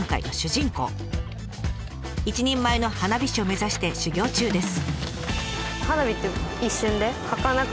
一人前の花火師を目指して修業中です。